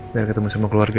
silahkan mbak mbak